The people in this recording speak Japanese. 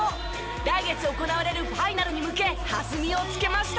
来月行われるファイナルに向け弾みをつけました。